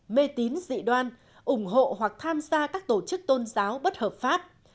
mê tín dị đoan ủng hộ hoặc tham gia các tổ chức tôn giáo bất hợp pháp